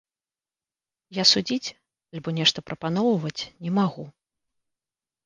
Я судзіць альбо нешта прапаноўваць не магу.